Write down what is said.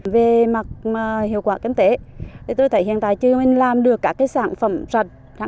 về mặt hiệu quả kinh tế tôi thấy hiện tại chưa mình làm được cả cái sản phẩm rạch